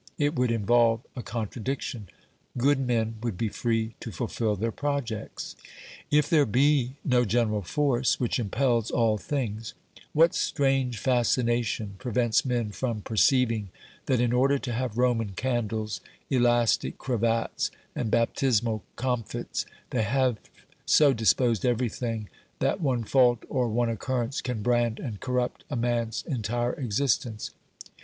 It would involve a contradiction ; good men would be free to fulfil their projects ! If there be no general force which impels all things, what strange fascination prevents men from perceiving that in order to have Roman candles, elastic cravats and baptismal comfits, they have so disposed everything that one fault or one occurrence can brand and corrupt a man's entire exist ence